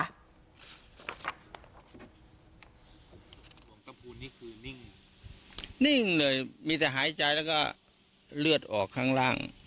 หลวงตะพูนนี่คือนิ่งนิ่งเลยมีแต่หายใจแล้วก็เลือดออกข้างล่าง